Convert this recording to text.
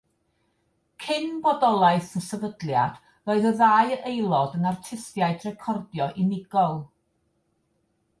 Cyn bodolaeth y sefydliad, roedd y ddau aelod yn artistiaid recordio unigol.